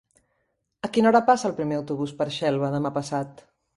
A quina hora passa el primer autobús per Xelva demà passat?